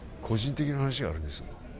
個人的な話があるんです